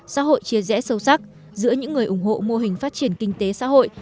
xã hội chia rẽ sâu sắc giữa những người ủng hộ mô hình phát triển kinh tế xã hội